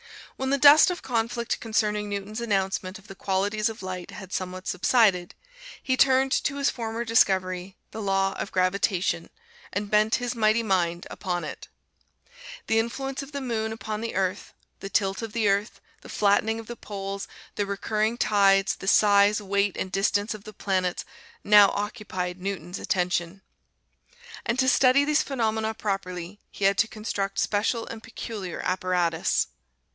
When the dust of conflict concerning Newton's announcement of the qualities of light had somewhat subsided, he turned to his former discovery, the Law of Gravitation, and bent his mighty mind upon it. The influence of the moon upon the Earth, the tilt of the Earth, the flattening of the poles, the recurring tides, the size, weight and distance of the planets, now occupied Newton's attention. And to study these phenomena properly, he had to construct special and peculiar apparatus.